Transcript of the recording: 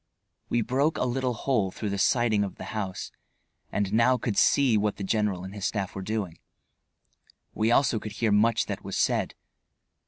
We broke a little hole through the siding of the house, and now could see what the general and his staff were doing. We also could hear much that was said.